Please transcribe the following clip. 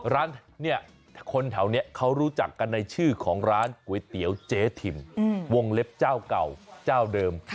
ร้านเนี่ยคนแถวนี้เขารู้จักกันในชื่อของร้านก๋วยเตี๋ยวเจ๊ทิมวงเล็บเจ้าเก่าเจ้าเดิม